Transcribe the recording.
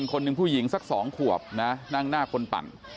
คนหนึ่งผู้หญิงสัก๒ขวบนะนั่งหน้าคนปั่น